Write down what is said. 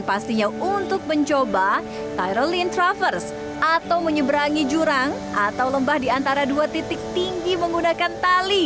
pastinya untuk mencoba tireline traverse atau menyeberangi jurang atau lembah diantara dua titik tinggi menggunakan tali